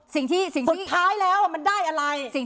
สุดท้ายแล้วมันได้อะไร